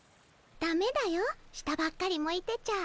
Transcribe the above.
だめだよ下ばっかり向いてちゃ。